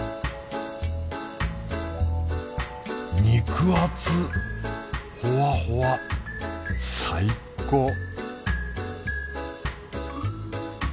肉厚ホワホワ最高！